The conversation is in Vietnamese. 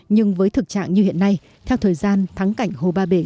nhưng với thực trạng như hiện nay theo thời gian thắng cảnh hồ ba bể